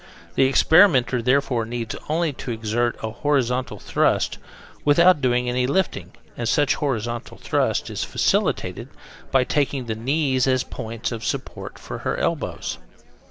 The experimenter, therefore, needs only to exert a horizontal thrust, without doing any lifting, and such horizontal thrust is facilitated by taking the knees as points of support for her elbows.